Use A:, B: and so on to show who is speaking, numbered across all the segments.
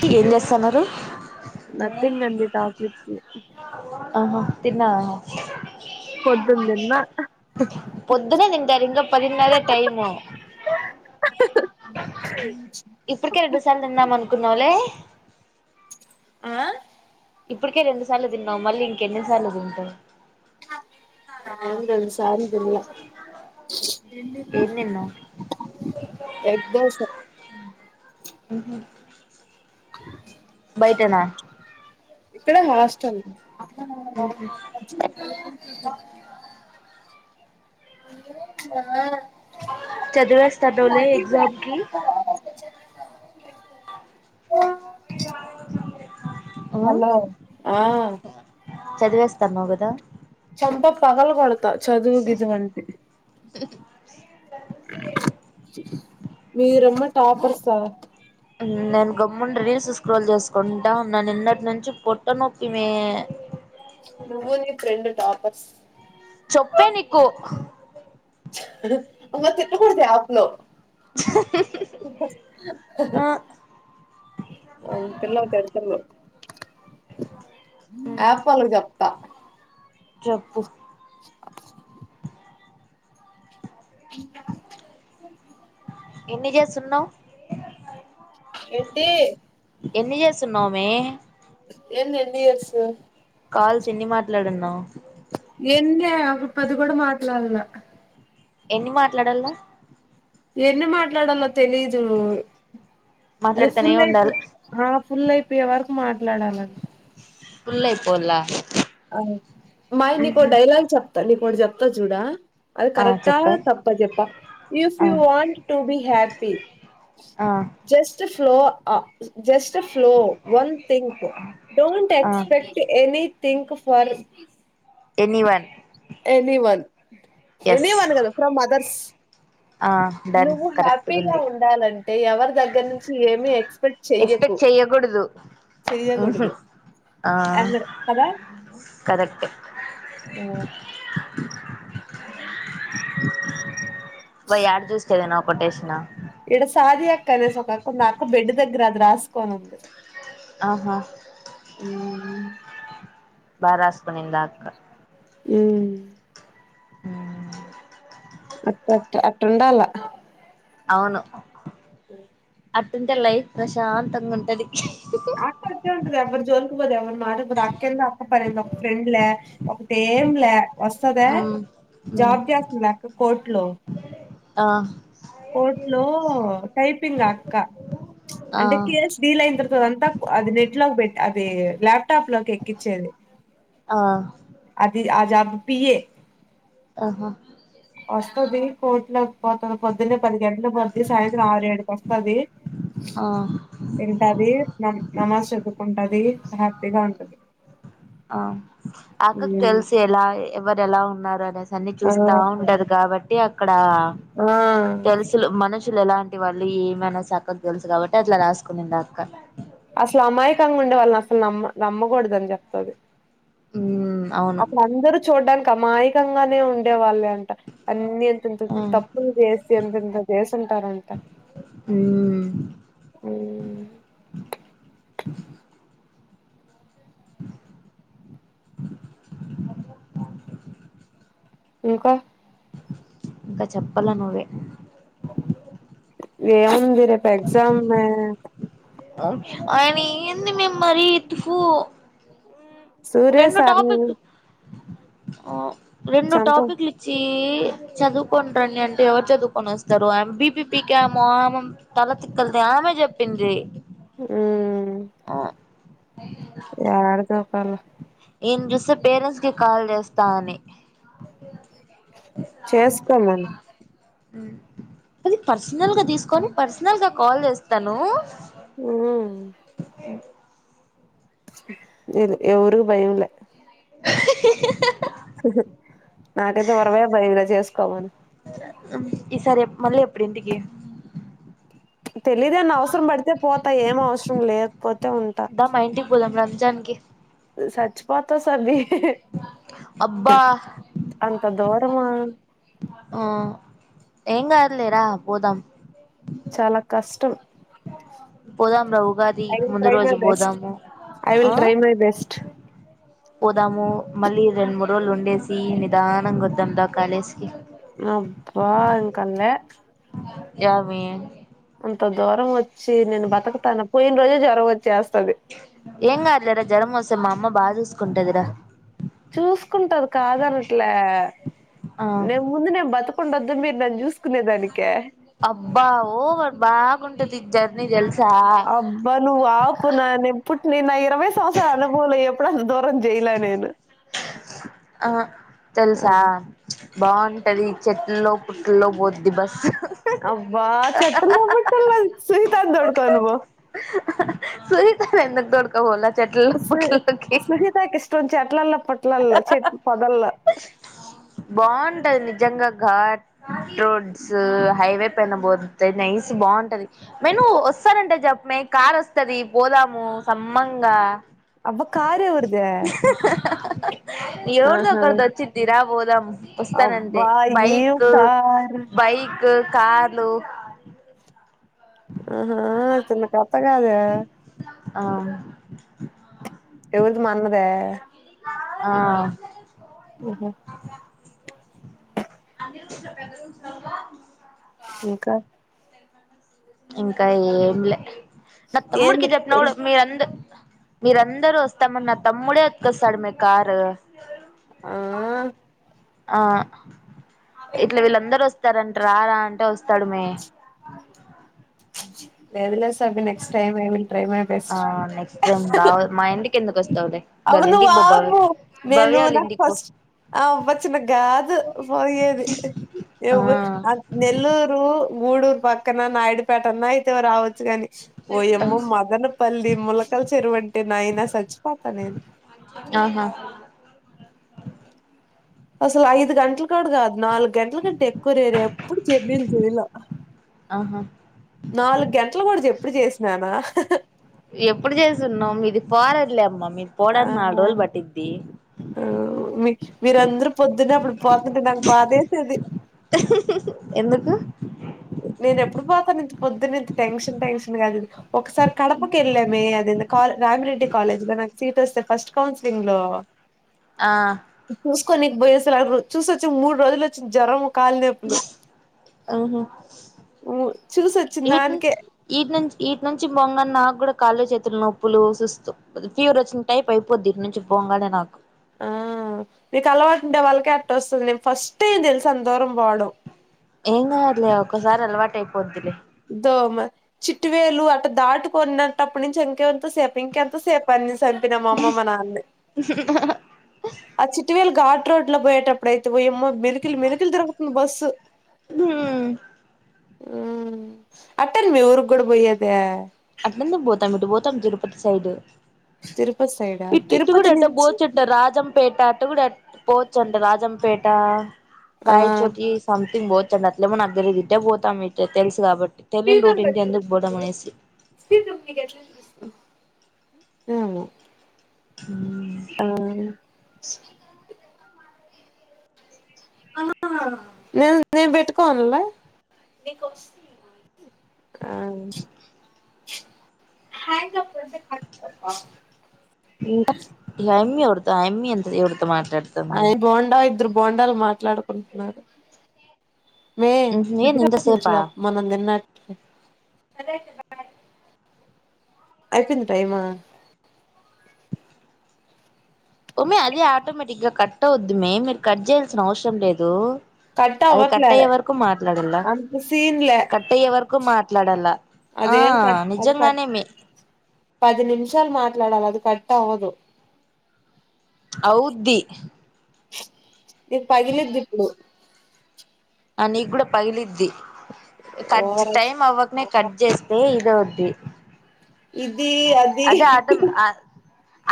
A: మీరేం చేస్తన్నారు.
B: నత్తింగ్ అండి టాక్ విత్ యూ
A: ఆహా! తిన్నావా
B: పొద్దున్ తిన్న
A: పొద్దునే తింటారు. ఇంగా పదినర్రే టైము.
B: అ
A: ఇప్పటికే రెండు సార్లు తిందామనుకున్నావ్లే.
B: ఆ
A: ఇప్పటికే రెండు సార్లు తిన్నావ్. మళ్ళీ ఇంకెన్నిసార్లు తింటావ్.
B: నాకు తెలుసు. సార్లు తిన్లే.
A: ఏం తిన్నావు
B: ఎవరిక్దేల్సు.
A: బయటేనా
B: ఇక్కడే మా హాస్టల్.
A: ఉహు
B: ఏంది మా
A: చదివేస్తాన్నావులే ఎగ్జామ్ కి
B: [unintelligible] హలో. ఆ
A: చదివేస్తాన్నావ్ కదా
B: చంప పగల కొడతా చదువు గిదువంటే మీరేమో టాపర్సా
A: నేను గమ్మున రీల్స్ స్క్రోల్ చేసుకుంటా ఉన్నా నిన్నట్నుంచి పొట్టనొప్పి మే.
B: నువ్వు నీ ఫ్రెండ్ టాపర్స్.
A: చొప్పే నీకు.
B: అలా తిట్టకూడదు యాప్లో.
A: ఆ
B: [unintelligible] ఆపల్ చెప్తా
A: చెప్పు
B: [unintelligible]
A: ఎన్ని చేస్తున్నావ్
B: ఏంటి
A: ఎన్ని చేస్తున్నావు మే
B: ఎన్ ఎ యర్స్
A: కాల్స్ ఎన్ని మాట్లాడున్నావు
B: ఎన్ని ఒక పది కూడా మాట్లాడలే
A: ఎన్ని మాట్లాడాల
B: ఎన్ని మాట్లాడాలో తెలీదు అది
A: మాట్లాడుతనే
B: ఫుల్
A: ఉండాల
B: అయితే ఫుల్ అయిపోయే వరకు మాట్లాడాలంట
A: పూల్ ఈపోలా
B: అ మాయ నీకో డైలాగ్ చెప్తా నీకోటి చెప్తా చూడా అది
A: ఆ
B: కరెక్టా
A: చెప్పే
B: తప్ప చెప్ప if
A: uh
B: you want to be happy
A: uh
B: just follow just a flow one think don't
A: uh
B: expect any think for
A: anyone
B: any one any one కదా ఫ్రమ్ అదర్స్
A: ఆ డన్
B: నువ్వు
A: కరెక్ట్
B: హ్యాపీగా
A: గుంది
B: ఉండాలంటే ఎవరి దగ్గర నుంచి ఏమి expect చెయ్యకు
A: ఎకూడదు
B: సేయకూడదు అ కదా
A: కరెక్ట్
B: ఓ
A: [unintelligible] ఇ యారు చూసు కదనా కొటేషిన
B: ఇక్కడ సాజి అక్క అనేసి ఒక కొ నా అక్క బెడ్ దగ్గర అది రాసుకోని ఉంది
A: ఆహా బారాస్ ఆ అక్క
B: హమ్
A: అ [unintelligible]
B: అట్ట అట్ అట్టండాల
A: అవును
B: అ
A: అటుంటే లైఫ్ ప్రశాంతంగా ఉంటది
B: అక్క వచ్చే ఉంటంది ఎవ్వరు జోలికపోదు ఎవ్వరు మారికపోదు అక్క ఎందో అక్క పనింది ఒక ఫ్రెండ్లే ఒకటేం లే వస్తదా
A: ఊ ఊ
B: జవాబ్దస్తుం క కోర్ట్లో
A: ఆ
B: కోట్ లో టైపింగ్ అక్క
A: ఆ
B: అంటే కేస్ రీల్ ఇంద తర్తద అంత అది నెట్లగ్ బటరు అది ల్యాప్టాప్ లోకి ఎక్కించేది
A: ఆ
B: అది ఆ జాబు పియే
A: ఆహ
B: వస్తుది కోట్ల పోతుంది పొద్దున్న పది గంటలు పద్ది సాయంత్రం ఆరు ఏడుకి వస్తుది
A: ఆ
B: వింటది న నమాజ్ చదువుకుంటది హ్యాపీగా ఉంటది
A: ఆ అక్కకి
B: ఉమ్
A: తెలిసి ఎలా ఎవరు ఎలా ఉన్నారు అనే అన్ని
B: ఆ
A: చూస్తా ఉంటదు కాబట్టి అక్కడ
B: ఆ
A: తెలుసులు మనుషు పులు ఎలాంటి వాళ్ళు ఏమై చక్కకు తెలుసు కాబట్టి అట్లా రాసుకుని అక్క
B: అసలు అమాయకంగా ఉండే వాళ్ళని అసలు నమ్మ నమ్మకూడదని చెప్తుంది
A: ఉ
B: అక్కడ అందరుూ చూడ్డానికి అమాయకంగానే ఉండే వాళ్ళే అంట అన్ని తంత
A: ఉమ్
B: తప్పులు చేసి ఎంతెంత చేస్తుంటారు అంట
A: హ్మ్
B: ఇంకా
A: ఇంకా చెప్పాల నువ్వే
B: ఏముంది రేపు ఎక్సామ్మె
A: ఆయన ఏంది మేము మరి తూపు
B: సూర్య
A: రేడు
B: సార్ని
A: టపిక్ వో రెండు
B: చంప
A: టాపిక్లూచి చదువుకుని రండి అంటే ఎవరు చదువుకొని వస్తారు బిపీపీకి ఏమోమె తల తిక్కలిది ఆమె చెప్పింది
B: అమ్మ్
A: ఆ
B: యాడ దొపల
A: ఇయని చూస్తే పేరెంట్స్ కి కాల్ చేస్తాని
B: చేసుకోమను
A: అది పర్సనల్గా తీసుకొని పర్సనల్ గా కాల్ చేస్తాను
B: ఆ లేదు ఎవరు భయంలే నాకైతే వరవే భయంలె చేసుకోమను
A: ఈసారి మళ్ళీ ఎప్పుడి ఇంటికి
B: తెలిదు ఏం అవసరం పడితే పోతా ఏం అవసరం లేకపోతే ఉంటా
A: జన్కి
B: సచ్ పోతసది
A: అబ్బా
B: అంత దూరమా
A: ఆ ఏంగాదులే రా పోదాం
B: చాలా కష్టం
A: పోదాం రా ఉగాది
B: ఐ విల్
A: ముందు
B: ట్రై
A: రోజు
B: మై బెస్ట్
A: పోదాము
B: I
A: uh
B: will try my best
A: పోదాము మళ్ళీ రెండు మూడు రోజులు ఉండేసి నిదానంగా వద్దాం దా కాలేజీకి
B: అబ్బా ఎంకాలె
A: యామి
B: అంత దూరం వచ్చి నేను బతకుతాను పోయిన రోజే జ్వరం వచ్చి
A: ఏంకాదులేరా జరమోస్తే మా అమ్మ బాచు
B: చూసుకుంటాది కథనట్లే
A: ఆ
B: నేను ముందు నేను బతుకుండదు మీరు నన్ను చూసుకునే దానికి
A: అబ్బా ఓవర్ బాగా ఉంటది జర్నీ తెల్స
B: అబ్బా నువ్వు ఆపు నా నింపుుట్ ని నా ఇరవై సంవత్సర అనుభవలు ఎప్పుడన దూరం జేయలే నేను.
A: ఆ తెలుసా
B: ఆహా!
A: బాగుంటది చెట్ల్లో పుట్ల్లో పోద్ది బస్
B: అబ్బా చెట్ల్లోబట్టలో సునీతని తొడుకోనీపో
A: సునీతని ఎందుకు తొడకునిపోవాలా చెట్లోకిపూటలోకి
B: చెట్లలోపుట్లలో చెట్టు పోదాలో
A: బాంటది నిజంగా ఘాట్ రోడ్స్ హైవే పైన పోతే నైస్ బాగుంటది మె నువ్ వస్తానంటే జప్పమే కార్ వస్తది పోదాము సమ్మంగా
B: అబ్బా కరెవరదే ఆహా!
A: ఎవరదొకరిది వచ్చిది రా పోదాం వస్తానంటే
B: అబ్బా! ఏం
A: బైక్
B: కారు.
A: బైక్ కార్లు
B: ఆహా చిన్న కథ కాదే
A: ఆ
B: ఎవరిది మనదే
A: ఆ
B: ఆహా!
A: అన్ని రూల్స్ లో పెద్ద రూల్స్ లేవుగా
B: ఇంకా
A: ఇంకా ఏంలే నా తమ్ముడికి
B: ఏంది
A: చెప్పిన కూడా మీరంద మీర అందరూ వస్తామని నా తమ్ముడే ఎత్తుకొస్తాడు అమీ కారు
B: ఆ!
A: ఆ ఇట్లా వీళ్ళందరు వస్తారంట రా రా అంటే వస్తాడు మీ
B: లేదులే సవి నెక్స్ట్ టైమ్ ఏమి try my
A: uh
B: best
A: next time రావ మా ఇంటికి ఎందుకు వస్తావులే వాళ్ళ
B: అవును
A: ఇంటికి పో భవ్య
B: ఆబు
A: భవ్య
B: నేను
A: వాళ్ళ
B: నా
A: ఇంటికి పో
B: ఫస్ట్ ఆ వచ్చిన గాదు పోయేది
A: ఆ
B: నెల్లూరు గూడూరు పక్కన నాయుడుపేటన్న అయితే రావచ్చు గాని ఓయమ్మో మదనపల్లి ములకలు చెరువంటే నాయనా సచ్చిపోత
A: ఆహా
B: అసలు ఐదు గంట్లు డు కాదు నాలుగు గంటల కంటే ఎక్కువ రేరే ఎప్పుడు జర్నీలు చేయలే
A: ఆహా
B: నాలుగు గంటలు కూడా ఎప్పుడు చేసినానా
A: ఎప్పుడు చేస్తున్నాం మీది ఫారెన్ లేమ్మా మీది పోడానికి నాలుగు రోజులు పట్టిద్ది
B: ఉ మీ మీరందరూ పొద్దున్న అప్పుడు పోతుంటే నాకు బాధ అయితది
A: [inaudible]
B: నేను ఎప్పుడు పోతాను ఇంత ప్రొద్దున్నే ఇంత టెన్షన్ టెన్షన్ కాదు ఒకసారి కడపకి వెళ్ళమే అది కా రామి రెడ్డి కాలేజ్ లో నాకు సీట్ వస్తే ఫస్ట్ కౌన్సిలింగ్ లో
A: ఆ
B: చూసుకొ నీకు పోయేసలాగు చూసొచ్చాం మూడు రోజులు వచ్చింది జ్వరం కాలి నొప్పులు
A: ఉహు
B: చూసొచ్చిన
A: ఈటి నుంచి
B: దానికే
A: ఈటి నుంచి ఈటి నుంచి పోగానే నాకు కూడా కాళ్ళు చేతులు నొప్పులు చూస్తూ ఫీవర్ వచ్చిన టైప్ అయిపోద్ది ఇక నుంచి పోగానే నాకు
B: ఆ మీకు అలవాటు ఉండే వాళ్ళకే అట్ట వస్తుంది నేను ఫస్ట్ టైం తెలుసా అంత దూరం పోవడం
A: ఏం కాదులే ఒక్కసారి అలవాటు అయిపోద్దిలే
B: దోమ చిట్టు వేలు అట్ట దాటుకున్నటప్పటి నుంచి ఇంకే ఎంత సేపు ఇంకెంత సేపు అన్ని చంపిన మా అమ్మ మా నాన్న ని ఆ చిట్టు వేళ ఘాట్ రోడ్ లో పోయేటప్పుడైయితే ఓయమ్మో మెలికలు మెలికలు తతరుగుతుంది బస్సు
A: హ్మ్
B: ఉ అట్టన్ మీ ఊరుకి కూడా పోయ్యేది
A: అట్లెందుకు పోతాం ఇటు పోతాం తిరుపతి సైడ్
B: తిరుపతి సైడా
A: ఇట్ ఇటు కూడా
B: తిరుపతి
A: ఎట్ట
B: నుంచి
A: పోచ్చంట రాజంపేట అంట కూడా పోవచ్చు అంట రాజంపేట
B: ఆ
A: రాయచోటి సంథింగ్ పోచ్ అట్లేమో నాకు తెలీదు ఇటె పోతాం మీ తెలుసు కాబట్టి తెలియని రోటు ఇటు ఎందుకు పోవడం అనేసి
B: స్వీట్ మీకెట్లా అనిపిస్తుంది ఏమో ఆ ఆ నేన్ నేను పెట్టుకోవన్లే నీ కోస్తీయ్మా ఆ హాయ్ చెప్పందే
A: ఈ అన్ని ఎవరితో అమ్మీ అంత ఎవరితో మాట్లాడి
B: ఆయ బోండా ఇద్దరు బోండాలు మాట్లాడుకుంటున్నారు
A: ఏంది ఇంతసేపా
B: మ మనం నిన్న బయ అయిపోయింది టైమా
A: వొమే అదే ఆటోమేటిక్ గా కట్ అవుద్ది మే మీరు కట్ చేయాల్సిన అవసరం లేదు
B: కట్
A: అది
B: అవ్వట్లే
A: కట్టయ్యే వరకు మాట్లాడలా
B: అంత సీన్లే
A: కట్టయ్యే వరకు మాట్లాడాల
B: అదేం కట్ అది కట్ పది నిమిషాలు మాట్లాడాలా అది కట్ ట్ అవ్వదు
A: అవ్వుద్ది
B: నీకు పగిలిద్ది ఇప్పుడు
A: ఆ నీకూడా పగిలిద్ది కట్
B: ఓవరాక్షన్
A: టైమ్ అవకనే కట్ చేస్తే ఇది అవుద్ది
B: ఇది అది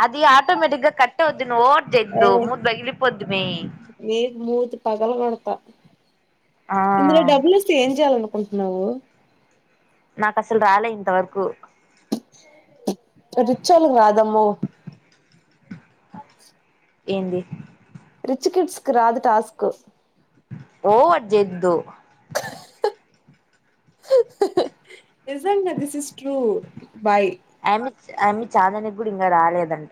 A: అది ఆటోమేటిక్ గా కట్టవుది దీన్ ఓవర్ జేయక్ దో
B: ఏ
A: మూతి బగిలిపోద్ది మే
B: నీకు మూతి పగల కొడతా
A: ఆ
B: ఇందులో డబ్బులు ఒస్తె ఏం చేయాలనుకుంటున్నావు
A: నాక్ అసల్ రాలే ఇంత వరకు
B: రిచోలు కాదమ్మో
A: ఏంది
B: రిచ్ కిడ్స్ కి రాదు టాస్క్
A: ఓవర్ జెయొదు
B: నిజంగ దిస్ ఇస్ ట్రూ బై
A: ఆమే చాందనికి కూడా ఇంకా రాలేదంట